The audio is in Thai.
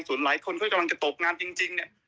ส่วนหลายคนก็กำลังจะตกงานจริงเนี่ย